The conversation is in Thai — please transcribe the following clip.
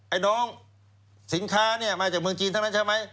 ไอ้น้องสินค้าเนี่ยมาจากเมืองจีนทั้งนั้นใช่ไหม